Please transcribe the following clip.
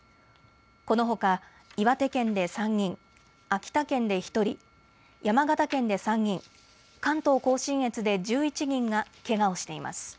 このほか岩手県で３人、秋田県で１人、山形県で３人、関東甲信越で１１人がけがをしています。